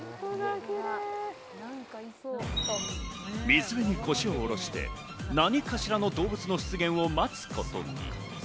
水辺に腰を下ろして何かしらの動物の出現を待つことに。